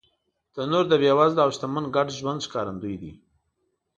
تنور د بېوزله او شتمن ګډ ژوند ښکارندوی دی